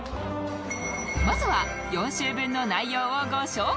まずは４週分の内容をご紹介